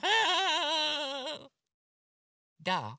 どう？